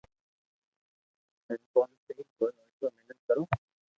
ھين ڪوم سھي ھوئي تو محنت ڪرو